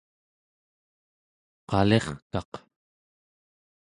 qalirkaq